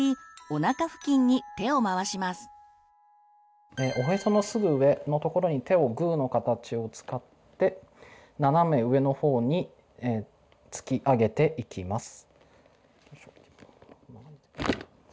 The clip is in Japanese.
おへそのすぐ上のところに手をグーの形を使って斜め上のほうに突き上げていきます。